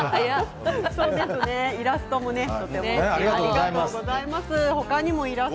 イラストもありがとうございます。